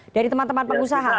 dari teman teman pengusaha